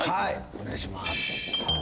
お願いします。